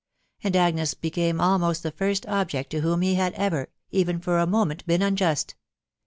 .... and Agnes became almost the first object to whom he had ever, even for a moment, been unjust.